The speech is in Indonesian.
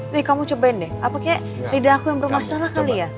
nih kamu cobain deh aku kayak lidah aku yang bermasalah kali ya